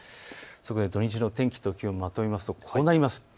土日の天気と気温をまとめるとこうなります。